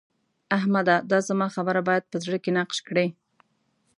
احمده! دا زما خبره بايد په زړه کې نقش کړې.